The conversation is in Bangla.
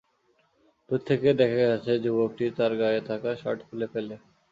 দূর থেকে দেখা গেছে যুবকটি তার গায়ে থাকা শার্ট খুলে ফেলে।